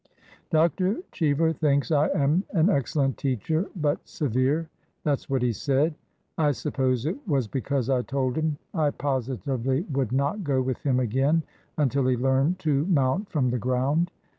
Dr. Cheever thinks I am an excellent teacher, but severe. That 's what he said. I suppose it was because I told him I positively zvould not go with him again until he learned to mount from the ground.